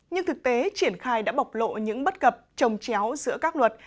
nhưng thực tế triển khai đã bọc lộ những bất gập trồng chéo giữa các luật